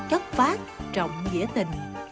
chất phát trọng dễ tình